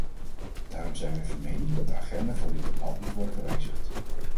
Daarom zijn wij van mening dat de agenda voor dit debat moet worden gewijzigd.